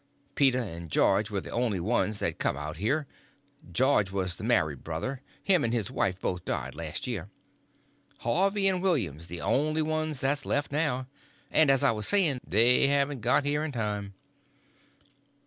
Peter and George were the only ones that come out here; George was the married brother; him and his wife both died last year. Harvey and William's the only ones that's left now; and, as I was saying, they haven't got here in time."